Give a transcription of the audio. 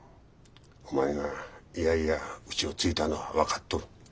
お前がいやいやうちを継いだのは分かっとる。